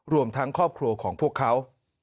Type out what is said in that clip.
รวมทั้งครอบครัวของพวกเขา